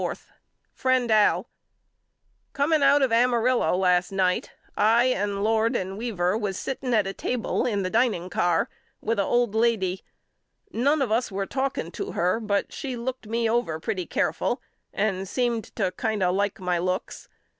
FRIEND AL: Coming out of Amarillo last night I and Lord and Weaver was sitting at a table in the dining car with a old lady. None of us were talking to her but she looked me over A BUSHER'S LETTERS HOME 29 pretty careful and seemed to kind of like my looks.